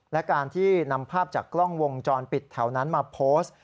และการที่นำภาพจากกล้องวงจรปิดแถวนั้นมาโพสต์